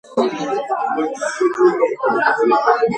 ეს განცხადება ბიორკის ხელშეკრულების გაუქმებას უდრიდა.